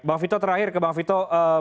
bang vito terakhir ke bang vito